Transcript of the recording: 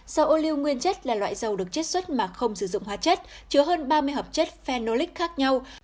dầu ô lưu nguyên chất là loại dầu được chất xuất mà không sử dụng hóa chất chứa hơn ba mươi hợp chất phenolic khác nhau